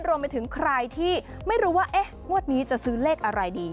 รวมไปถึงใครที่ไม่รู้ว่าเอ๊ะงวดนี้จะซื้อเลขอะไรดี